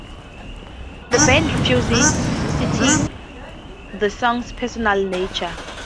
The band refused, citing the song's personal nature.